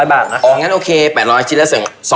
อ๋องั้นโอเค๘๐๐ชิ้นละ๒๐๐